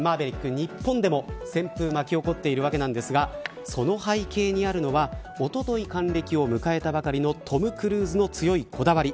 日本でも旋風巻き起こっているわけですがその背景にあるのはおととい還暦を迎えたばかりのトム・クルーズの強いこだわり。